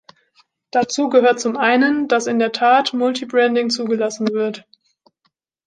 Dazu gehört zum einen, dass in der Tat Multibranding zugelassen wird.